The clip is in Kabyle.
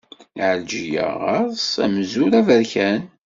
Ɛelǧiya ɣer-s amzur aberkan.